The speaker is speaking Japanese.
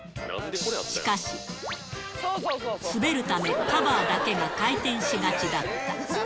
しかし、滑るため、カバーだけが回転しがちだった。